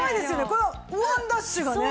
このワンダッシュがね。